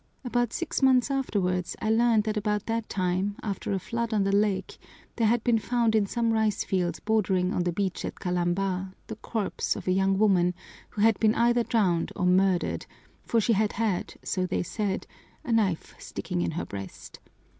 About six months afterwards I learned that about that time, after a flood on the lake, there had been found in some rice fields bordering on the beach at Kalamba, the corpse of a young woman who had been either drowned or murdered, for she had had, so they said, a knife sticking in her breast.